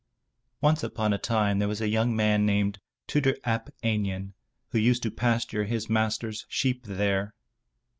Once upon a time there was a young man named Tudur ap Einion, who used to pasture his master's sheep there.